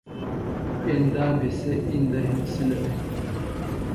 ایندا بھےۡ سےۡ اِندہ ہینسِلہ دےۡ